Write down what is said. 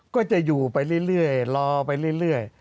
ก็จะอยู่ไปเรื่อยรอไปเรื่อย